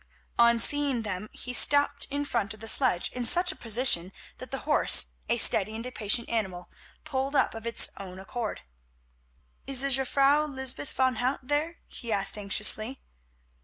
On seeing them he stopped in front of the sledge in such a position that the horse, a steady and a patient animal, pulled up of its own accord. "Is the Jufvrouw Lysbeth van Hout there?" he asked anxiously.